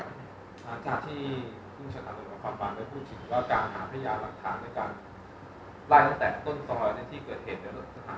อาจารย์ที่ฟุ่งชะนัดแลเวียบข้ามไปพูดถึงว่าการหาพระยาทาง